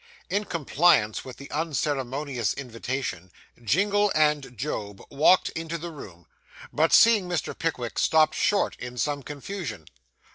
In compliance with this unceremonious invitation, Jingle and Job walked into the room, but, seeing Mr. Pickwick, stopped short in some confusion.